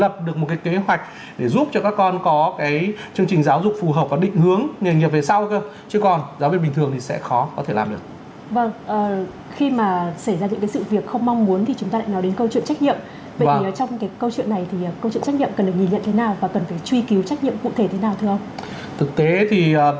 cụ thể thế nào thưa ông thực tế thì